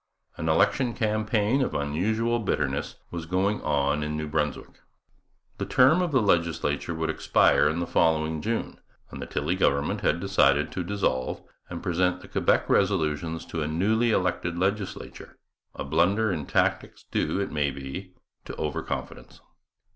An election campaign of unusual bitterness was going on in New Brunswick. The term of the legislature would expire in the following June; and the Tilley government had decided to dissolve and present the Quebec resolutions to a newly elected legislature, a blunder in tactics due, it may be, to over confidence.